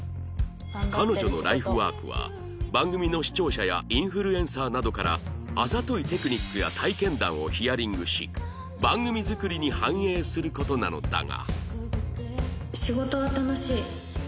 彼女のライフワークは番組の視聴者やインフルエンサーなどからあざといテクニックや体験談をヒアリングし番組作りに反映する事なのだが